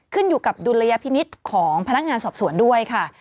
ขึ้นอยู่กับดุลยพินิษฐ์ของพนักงานสอบสวนด้วยค่ะ